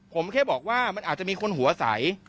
ผมแค่บอกว่ามันอาจจะมีคนหัวใส